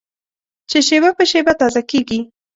چې شېبه په شېبه تازه کېږي.